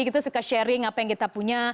kita suka sharing apa yang kita punya